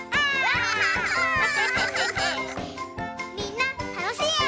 みんなたのしいえを。